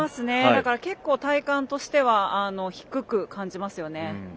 結構、体感としては低く感じますよね。